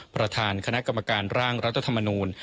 ประธานคณะกรรมการร่างรัฐธรรมนูล